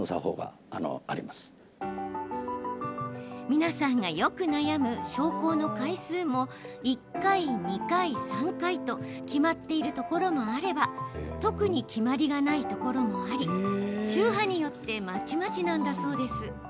皆さんがよく悩む焼香の回数も１回、２回、３回と決まっているところもあれば特に決まりがないところもあり宗派によってまちまちなんだそうです。